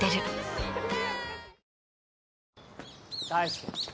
大介。